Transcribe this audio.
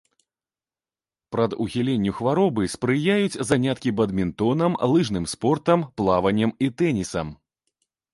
Прадухіленню хваробы спрыяюць заняткі бадмінтонам, лыжным спортам, плаваннем і тэнісам.